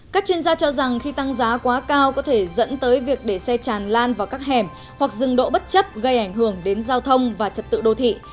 các chuyên gia cho rằng khi tăng giá quá cao có thể dẫn tới việc để xe tràn lan vào các hẻm hoặc dừng đỗ bất chấp gây ảnh hưởng đến giao thông và trật tự đô thị